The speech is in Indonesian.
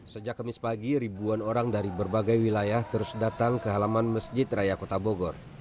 sejak kemis pagi ribuan orang dari berbagai wilayah terus datang ke halaman masjid raya kota bogor